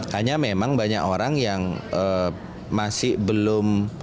hanya memang banyak orang yang masih belum